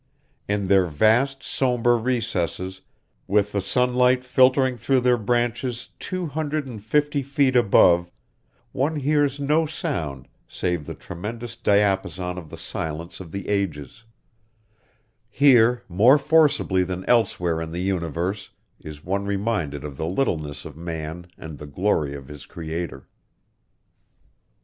In their vast, sombre recesses, with the sunlight filtering through their branches two hundred and fifty feet above, one hears no sound save the tremendous diapason of the silence of the ages; here, more forcibly than elsewhere in the universe, is one reminded of the littleness of man and the glory of his creator.